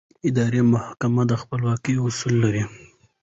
اداري محاکم د خپلواکۍ اصل لري.